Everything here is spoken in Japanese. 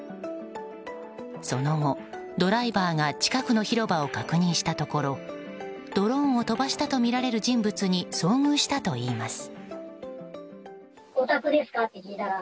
その後、ドライバーが近くの広場を確認したところドローンを飛ばしたとみられる人物に遭遇したといいます。